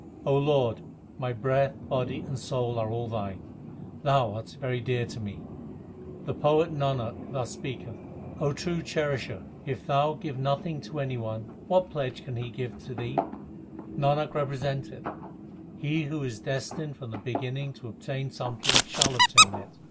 Lord, my breath, body, and soul are all Thine ; Thou art very dear to me. The poet Nanak thus speaketh ; O True Cherisher, If Thou give nothing to any one, what pledge can he give Thee ?* Nanak representeth, he who is destined from the beginning to obtain something shall obtain it.